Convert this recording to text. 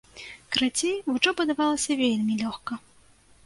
Карацей, вучоба давалася вельмі лёгка.